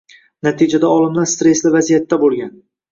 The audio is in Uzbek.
Natijada olimlar stressli vaziyatda boʻlgan